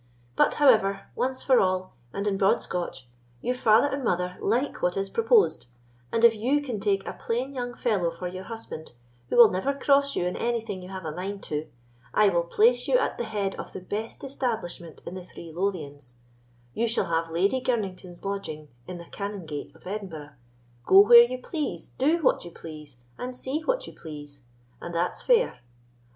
But, however, once for all, and in broad Scotch, your father and mother like what is proposed, and if you can take a plain young fellow for your husband, who will never cross you in anything you have a mind to, I will place you at the head of the best establishment in the three Lothians; you shall have Lady Girnington's lodging in the Canongate of Edinburgh, go where you please, do what you please, and see what you please—and that's fair.